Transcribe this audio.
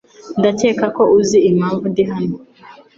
Ndakeka ko uzi impamvu ndi hano.